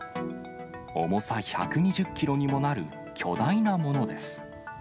重さ１２０キロにもなる巨大なものです。